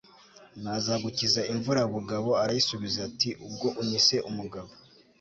nazagukiza imvura bugabo arayisubiza ati ubwo unyise umugabo